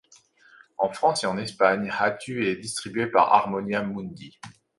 En France et en Espagne, Hathut est distribué par Harmonia Mundi.